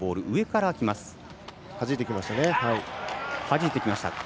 はじいてきましたね。